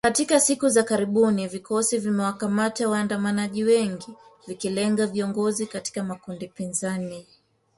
Katika siku za karibuni vikosi vimewakamata waandamanaji wengi , vikilenga viongozi katika makundi pinzani.